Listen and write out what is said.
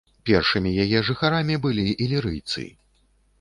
Першымі яе жыхарамі былі ілірыйцы.